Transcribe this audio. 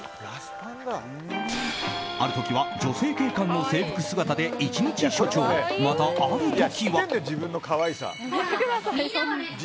ある時は女性警官の制服姿で一日署長また、ある時は。